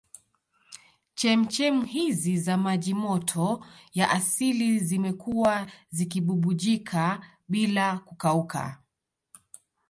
Chemchem hizi za maji moto ya asili zimekuwa zikibubujika bila kukauka